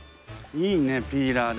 いいねえピーラーで。